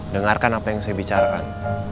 dengarkan apa yang saya bicarakan